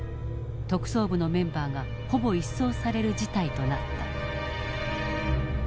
特捜部のメンバーがほぼ一掃される事態となった。